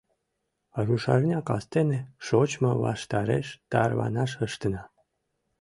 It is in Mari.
Рушарня кастене, шочмо ваштареш, тарванаш ыштена.